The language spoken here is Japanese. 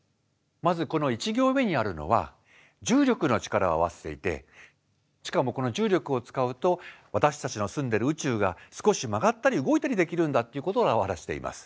まずこの１行目にあるのは重力の力を合わせていてしかもこの重力を使うと私たちの住んでる宇宙が少し曲がったり動いたりできるんだということを表しています。